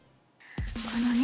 このね